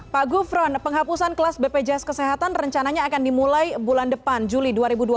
pak gufron penghapusan kelas bpjs kesehatan rencananya akan dimulai bulan depan juli dua ribu dua puluh